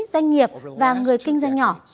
các nghệ sĩ doanh nghiệp và người kinh doanh nhỏ